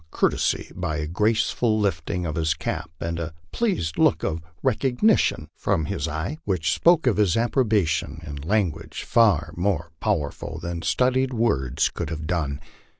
courtesy by a graceful lifting of his cap and a pleased look of recognition from his eye, which spoke his approbation in language far more powerful than studied words could have done.